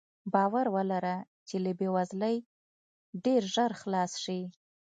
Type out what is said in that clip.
باور ولره چې له بې وزلۍ ډېر ژر خلاص شې.